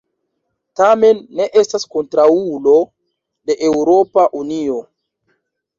Tamen ne estas kontraŭulo de Eŭropa Unio.